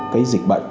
cái dịch bệnh